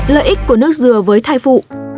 lợi ích của nước dừa với thai phụ